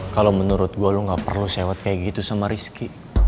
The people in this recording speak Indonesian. kalo menurut gua lu ga perlu sewat kayak gitu sama rizky